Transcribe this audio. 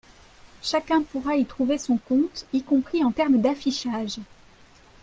Chacun pourra y trouver son compte, y compris en termes d’affichage.